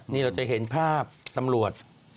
นี่เราจะเห็นภาพตำรวจ